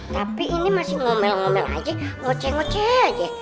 tapi ini masih ngomel ngomel aja ngoceh ngoceh aja